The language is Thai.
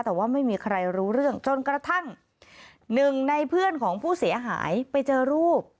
แต่ว่าไม่มีใครรู้เรื่องจนกระทั่งหนึ่งในเพื่อนของผู้เสียหายไปเจอรูป